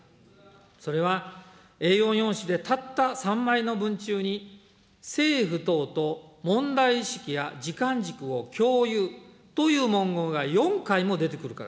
それはＡ４用紙でたった３枚の文中に、政府等と問題意識や時間軸を共有という文言が４回も出てくるから